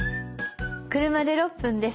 車で６分です。